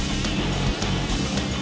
kita ingin cerita lain